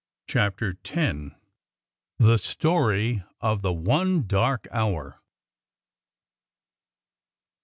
CHAPTER X. THE STORY OF THE ONE DARK HOUR.